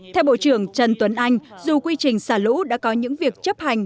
theo bộ trưởng trần tuấn anh dù quy trình xả lũ đã có những việc chấp hành